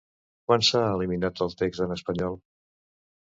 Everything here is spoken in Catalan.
Quan s'ha eliminat el text en espanyol?